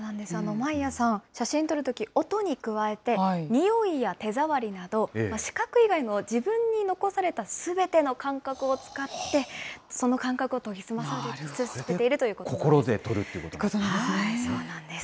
マイアさん、写真撮るとき、音に加えて、においや手触りなど、視覚以外の自分に残されたすべての感覚を使って、その感覚を研ぎ澄まさせているということです。